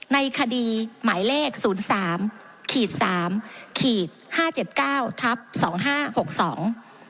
ในคดีหมายเลขศูนย์สามขีดสามขีดห้าเจ็ดเก้าทับสองห้าหกสอง